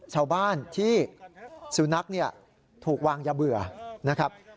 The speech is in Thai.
ชาวบ้านที่สุนัขถูกวางยาเบื่อนะครับ